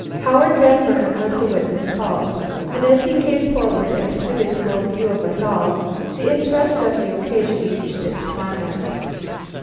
Howard Van Burnam was the witness called, and as he came forward and stood in full view of us all, the interest of the occasion reached its climax.